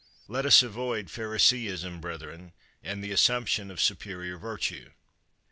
Let us avoid Phariseeism, brethren, and the assumption of superior virtue.